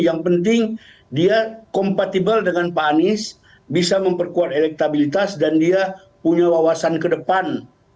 yang penting dia kompatibel dengan pak anies bisa memperkuat elektabilitas dan dia punya wawasan ke depan